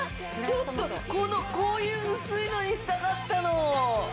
ちょっとこのこういう薄いのにしたかったの！